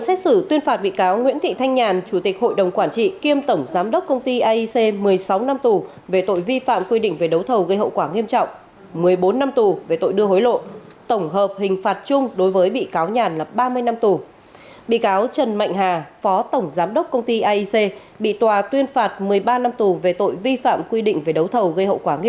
sau hai tuần xét xử và nghị án cứu hộ bộ công an cũng có mặt tại hiện trường